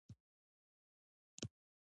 نړۍوالتوب تولید ارزانو هېوادونو ته لېږدوي.